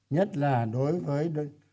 nhất là đối với